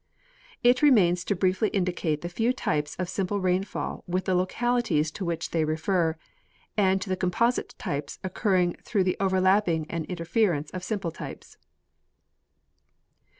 It remains to briefly indicate the fcAV types of simple rainfall Avith the localities to which they refer, and to the composite types occurring through the OA^erlapj^ing and interference of simple types.